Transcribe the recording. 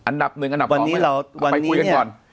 อันดับหนึ่งอันดับ๒ไปคุยกันก่อน